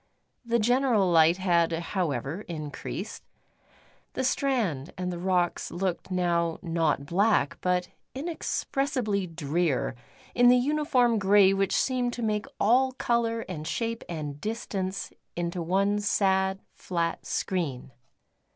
The general light had, however, increased. The strand and the rocks looked now not black, but inexpressibly drear in the uniform grey which seemed to make all colour and shape and distance into one sad flat screen.